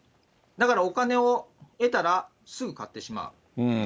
だからお金を得たら、すぐ買ってしまう。